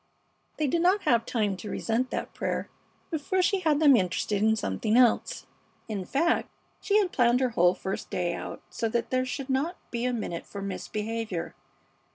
They did not have time to resent that prayer before she had them interested in something else. In fact, she had planned her whole first day out so that there should not be a minute for misbehavior.